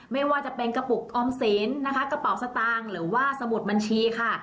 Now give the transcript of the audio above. ไม่ว่าจะเป็นกระปุกออมสินนะคะกระเป๋าสตางค์หรือว่าสมุดบัญชีค่ะ